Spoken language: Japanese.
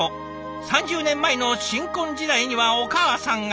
３０年前の新婚時代にはお母さんが。